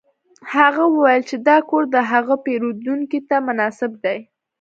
هغه وویل چې دا کور د هغه پیرودونکي ته مناسب دی